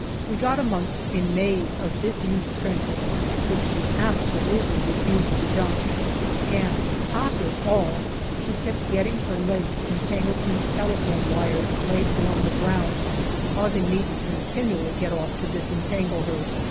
We got amongst a maze of disused trenches, which she absolutely refused to jump ; and to top it all, she kept getting her legs entangled in telephone wires laid along the ground, causing me to continually get off to disentangle her.